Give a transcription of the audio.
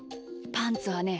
パンツはね